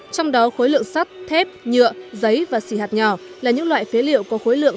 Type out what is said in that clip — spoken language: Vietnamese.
hai nghìn một mươi sáu trong đó khối lượng sắt thép nhựa giấy và xì hạt nhỏ là những loại phế liệu có khối lượng